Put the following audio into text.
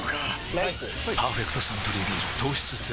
ライス「パーフェクトサントリービール糖質ゼロ」